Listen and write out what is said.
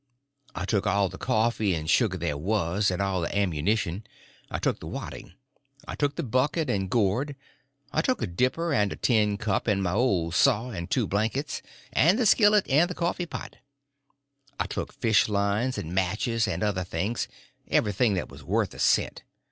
I took all the coffee and sugar there was, and all the ammunition; I took the wadding; I took the bucket and gourd; I took a dipper and a tin cup, and my old saw and two blankets, and the skillet and the coffee pot. I took fish lines and matches and other things—everything that was worth a cent.